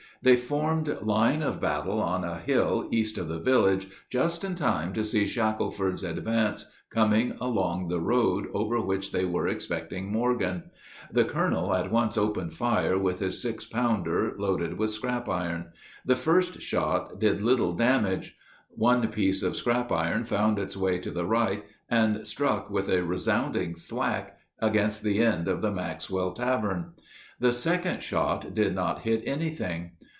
They formed line of battle on a hill east of the village just in time to see Shackelford's advance coming along the road over which they were expecting Morgan. The colonel at once opened fire with his six pounder loaded with scrap iron. The first shot did little damage. One piece of scrap iron found its way to the right, and struck with a resounding thwack against the end of the Maxwell Tavern. The second shot did not hit anything.